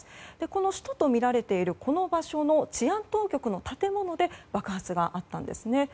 この首都とみられているこの場所の治安当局の建物の爆発があったんですね。